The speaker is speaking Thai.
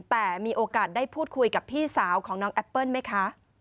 แต่มีโอกาสได้พูดคุยกับพี่สาวของน้องแอปเปิ้ลไหมคะ